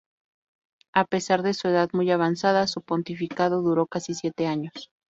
A pesar de su edad muy avanzada, su pontificado duró casi siete años.